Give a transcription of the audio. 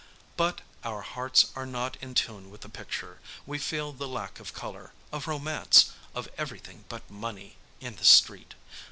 But our hearts are not in tune with the picture; we feel the lack of colour, of romance, of everything but money, in the street.